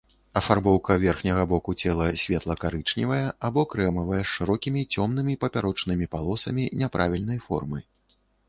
Афарбоўка верхняга боку цела светла-карычневая або крэмавая з шырокімі цёмнымі папярочнымі палосамі няправільнай формы.